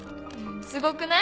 「すごくない？